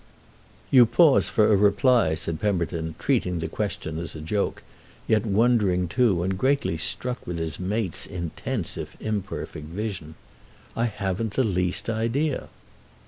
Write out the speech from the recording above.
"You pause for a reply," said Pemberton, treating the question as a joke, yet wondering too and greatly struck with his mate's intense if imperfect vision. "I haven't the least idea."